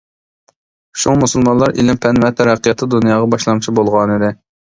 شۇڭا مۇسۇلمانلار ئىلىم-پەن ۋە تەرەققىياتتا دۇنياغا باشلامچى بولغانىدى.